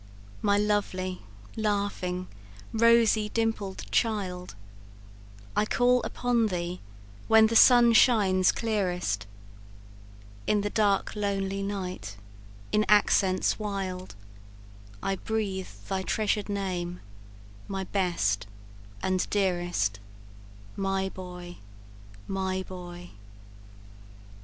"My lovely, laughing, rosy, dimpled, child, I call upon thee, when the sun shines clearest; In the dark lonely night, in accents wild, I breathe thy treasured name, my best and dearest My boy my boy!